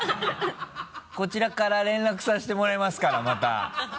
こちらから連絡させてもらいますからまた。